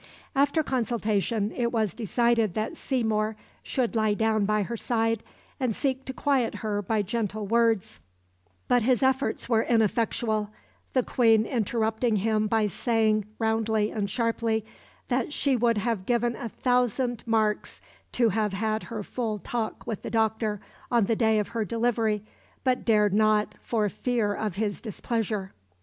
After consultation it was decided that Seymour should lie down by her side and seek to quiet her by gentle words; but his efforts were ineffectual, the Queen interrupting him by saying, roundly and sharply, "that she would have given a thousand marks to have had her full talk with the doctor on the day of her delivery, but dared not, for fear of his displeasure."